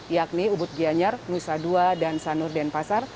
yakni ubud gianyar nusa dua dan sanur denpasar